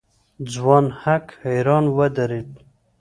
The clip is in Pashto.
ځوان هک حيران ودرېد.